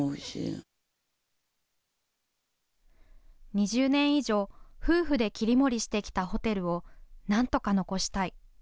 ２０年以上、夫婦で切り盛りしてきたホテルをなんとか残したい。